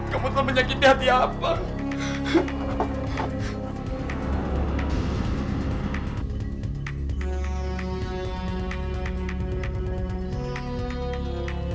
kamu telah menyakiti hati apa